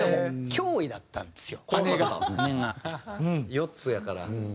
４つやから。